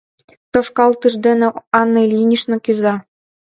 Тошкалтыш дене Анна Ильинична кӱза.